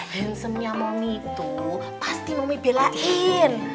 hansennya momi itu pasti momi belain